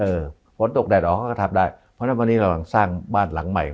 ฝนตกแดดออกเขาก็ทำได้เพราะฉะนั้นวันนี้เรากำลังสร้างบ้านหลังใหม่